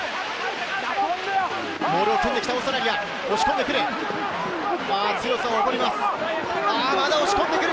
モールを組んできたオーストラリア、押し込んでくる。